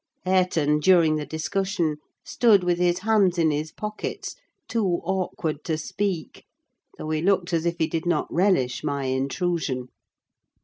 Hareton, during the discussion, stood with his hands in his pockets, too awkward to speak; though he looked as if he did not relish my intrusion.